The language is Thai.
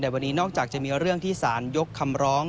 วันนี้นอกจากจะมีเรื่องที่สารยกคำร้อง